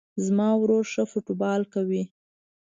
زما ورور ښه فوټبال کوی